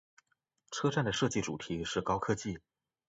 车站的设计主题是高科技。